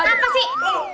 eh apa sih